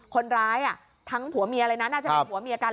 คนร้ายทั้งผัวเมียเลยนะน่าจะเป็นผัวเมียกัน